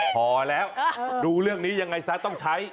พอแล้วดูเรื่องนี้ยังไงซะต้องใช้